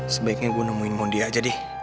sebaiknya gua nemuin mon dia aja deh